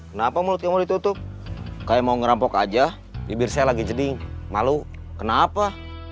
kenapa mulut timur ditutup kayak mau ngerampok aja bibir saya lagi jeding malu kenapa